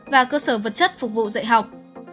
và cơ sở vật chất phục vụ dạy học